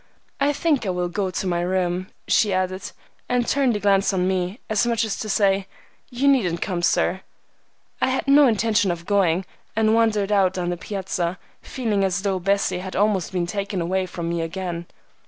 "I think I will go to my room," she added, and turned a glance on me, as much as to say, "You needn't come, sir." I had no intention of going, and wandered out on the piazza, feeling as though Bessie had almost been taken away from me again.